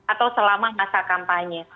atau selama masa kampanye